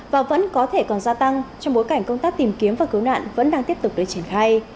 và vẫn có thể còn gia tăng trong bối cảnh công tác tìm kiếm và cứu nạn vẫn đang tiếp tục được triển khai